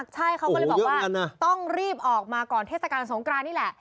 ใช่เขาก็เลยบอกว่าต้องรีบออกมาก่อนเทศกาลสงกรานนี่แหละ